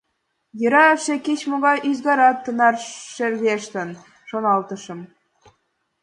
«Йӧра эше кеч-могай ӱзгарат тынар шергештын, — шоналтышым.